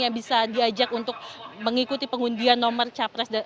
yang bisa diajak untuk mengikuti pengundian nomor capres